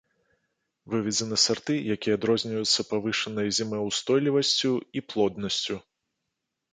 Выведзены сарты, якія адрозніваюцца павышанай зімаўстойлівасцю і плоднасцю.